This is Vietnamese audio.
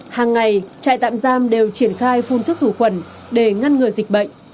hàng ngày trại tạm giam đều triển khai phun thức khử khuẩn để ngăn ngừa dịch bệnh